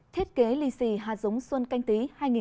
thiết kế lì xì hạt giống xuân canh tí hai nghìn hai mươi